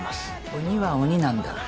鬼は鬼なんだ。